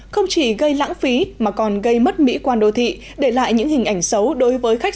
không chỉ gây lãng phí mà còn gây mất mỹ quan đô thị để lại những hình ảnh xấu đối với khách